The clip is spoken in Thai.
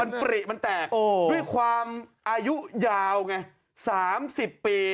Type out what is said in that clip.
มันปริมันแตกด้วยความอายุยาวไง๓๐ปี